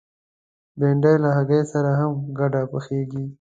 بېنډۍ له هګۍ سره هم ګډ پخېږي